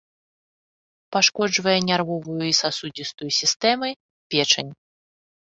Пашкоджвае нервовую і сасудзістую сістэмы, печань.